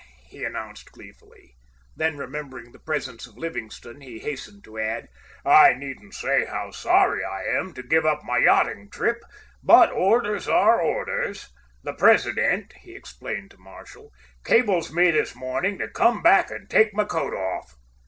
he announced gleefully. Then, remembering the presence of Livingstone, he hastened to add: "I needn't say how sorry I am to give up my yachting trip, but orders are orders. The President," he explained to Marshall, "cables me this morning to come back and take my coat off."